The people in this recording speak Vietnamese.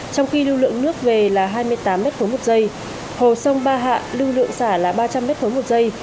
trong khi lưu lượng nước về là hai mươi tám m ba một giây hồ sông ba hạ lưu lượng xả là ba trăm linh m ba một giây